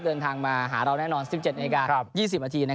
เดินทางมาหาเราแน่นอน๑๗นาที๒๐นาที